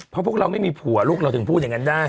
เพราะพวกเราไม่มีผัวลูกเราถึงพูดอย่างนั้นได้